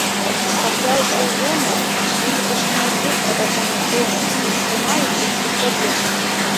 Трапляючы ў зону, людзі пачынаюць жыць па законах зоны, прымаюць іх у сябе.